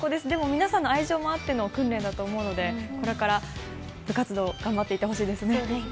皆さんの愛情あっての訓練だと思うので、これから部活動、頑張っていってほしいと思います。